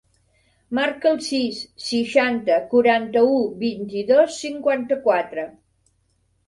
Marca el sis, seixanta, quaranta-u, vint-i-dos, cinquanta-quatre.